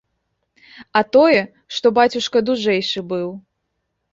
А тое, што бацюшка дужэйшы быў.